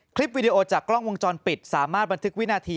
วิดีโอจากกล้องวงจรปิดสามารถบันทึกวินาที